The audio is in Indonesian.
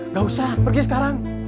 nggak usah pergi sekarang